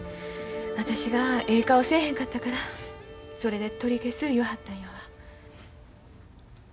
私がええ顔せえへんかったからそれで取り消す言わはったんやわ。